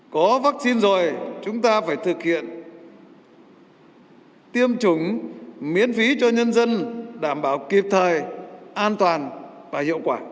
có vaccine rồi chúng ta phải thực hiện tiêm chủng miễn phí cho nhân dân đảm bảo kịp thời an toàn và hiệu quả